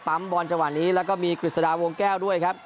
บอลจังหวะนี้แล้วก็มีกฤษฎาวงแก้วด้วยครับ